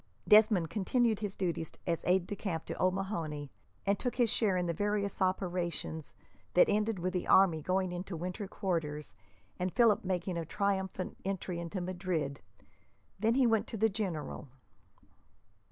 Desmond continued his duties as aide de camp to O'Mahony, and took his share in the various operations, that ended with the army going into winter quarters and Philip making a triumphant entry into Madrid. Then he went to the general.